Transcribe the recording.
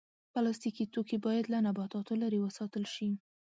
پلاستيکي توکي باید له نباتاتو لرې وساتل شي.